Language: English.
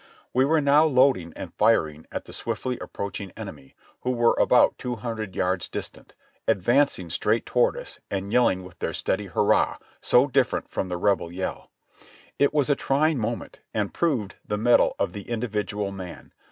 We were now loading and firing at the swiftly approaching enemy, who were about two hundred yards distant, advancing straight toward us and shouting with their steady hurrah, so different from the Rebel yell. It was a trying moment and proved the metal of the individual man.